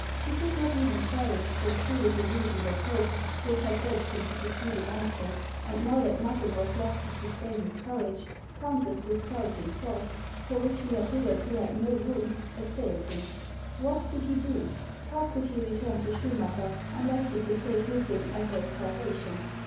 He could not even cherish those foolish illusions of hope which had urged him to pursue the monster ; and now that nothing was left to sustain his courage, countless discouraging thoughts, for which he had hitherto had no room, assailed him. What could he do ? How could he return to Schumacker unless he could take with him Ethel's salvation